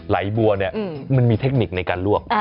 บัวเนี่ยมันมีเทคนิคในการลวก